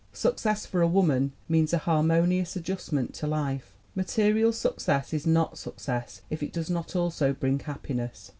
Success for a woman means a harmonious adjustment to life. Material success is not success if it does not also bring happiness.